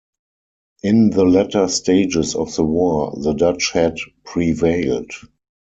In the latter stages of the war, the Dutch had prevailed.